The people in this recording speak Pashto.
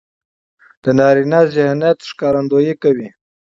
د نارينه ذهنيت ښکارندويي کوي.